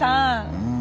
うん。